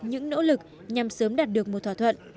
những nỗ lực nhằm sớm đạt được một thỏa thuận